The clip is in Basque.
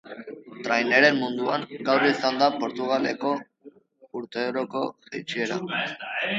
Trainerren munduan gaur izan da Portugaleteko urteroko jaitsiera.